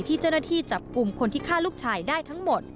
ที่เจ้าหน้าที่จับกลุ่มคนที่ฆ่าลูกชายได้ทั้งหมด